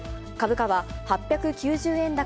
株価は８９０円